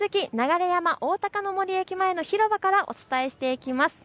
先週に引き続き流山おおたかの森駅前の広場からお伝えしていきます。